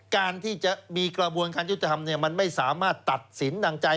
การที่จะมีกระบวนการยุติธรรมมันไม่สามารถตัดสินดังใจ